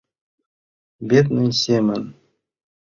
Бедный семын